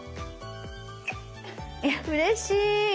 いやうれしい。